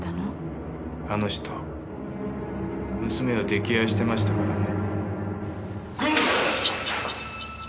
あの人娘を溺愛してましたからね。